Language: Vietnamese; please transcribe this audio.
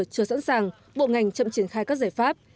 chưa sẵn sàng bộ ngành chậm triển khai các giải pháp